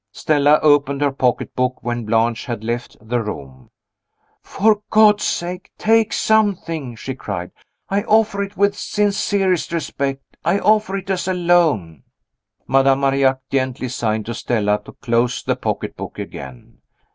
Stella opened her pocketbook when Blanche had left the room. "For God's sake, take something!" she cried. "I offer it with the sincerest respect I offer it as a loan." Madame Marillac gently signed to Stella to close the pocketbook again.